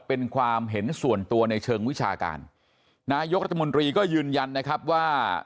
เป็นความเห็นส่วนตัวในเชิงวิชาการนายกรัฐมนตรีก็ยืนยันนะครับว่า